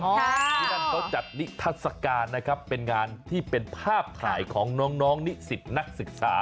ที่นั่นเขาจัดนิทัศกาลนะครับเป็นงานที่เป็นภาพถ่ายของน้องนิสิตนักศึกษา